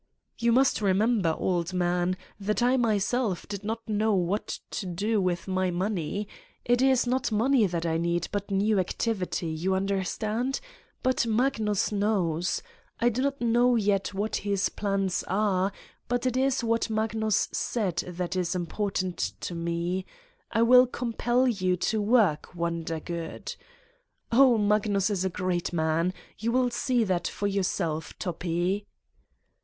"You must remember, old man, that I myself did not know what to do with my money. It is not money that I need but new activity. You un derstand? But Magnus knows. I do not know yet what his plans are but it is what Magnus said that is important to me: 'I will compel you to work, Wondergood!' Oh, Magnus is a great man. You will see that for yourself, Toppi!"